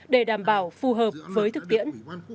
để đảm bảo phù hợp với thực tiễn